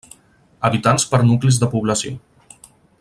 Habitants per nuclis de població.